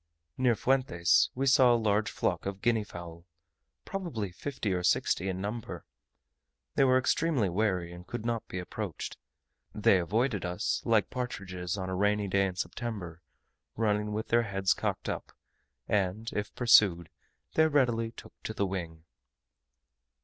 Near Fuentes we saw a large flock of guinea fowl probably fifty or sixty in number. They were extremely wary, and could not be approached. They avoided us, like partridges on a rainy day in September, running with their heads cocked up; and if pursued, they readily took to the wing.